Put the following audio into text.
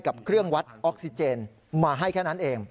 กับเครื่องวัดออกซิเจนมาให้แค่นั้นเอง